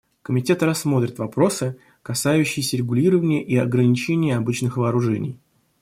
Комитет рассмотрит вопросы, касающиеся регулирования и ограничения обычных вооружений.